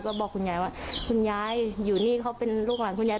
ก็บอกคุณยายว่าคุณยายอยู่นี่เขาเป็นลูกหลานคุณยาย